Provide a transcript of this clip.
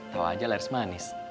tau aja lahir semanis